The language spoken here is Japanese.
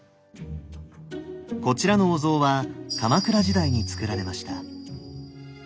こちらのお像は鎌倉時代につくられました。